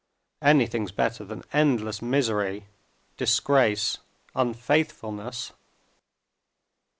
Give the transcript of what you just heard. Anything's better than endless misery, disgrace, unfaithfulness!"